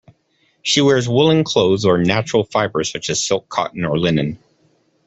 She wears woollen clothes or natural fibres such as silk, cotton or linen.